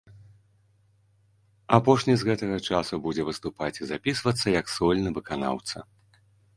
Апошні з гэтага часу будзе выступаць і запісвацца як сольны выканаўца.